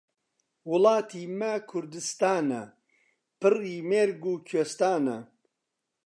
وڵاتی مە کوردستانە، پڕی مێرگ و کوێستانە.